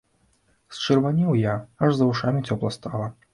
Счырванеў я, аж за вушамі цёпла стала.